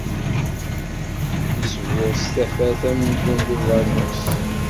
Isburr s tafat amzun d ubernus.